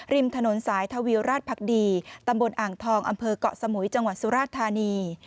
ริมถนนสายทวีลราชภักดีตำบลอ่างทองอำเภอกขสมุยจสุราธารณี